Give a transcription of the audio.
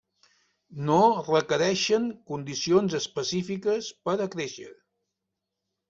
No requereixen condicions específiques per a créixer.